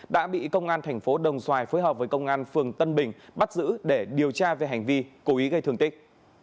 đã bị công an thành phố đồng xoài phối hợp với công an phường tân bình bắt giữ để điều tra về hành vi cố ý gây thương tích